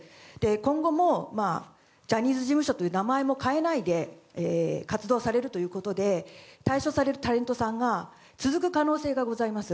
今後もジャニーズ事務所という名前も変えないで活動されるということで退所されるタレントさんが続く可能性がございます。